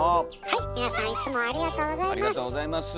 はい皆さんいつもありがとうございます。